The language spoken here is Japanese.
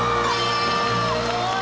すごい。